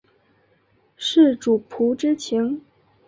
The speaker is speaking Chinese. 是主仆之情？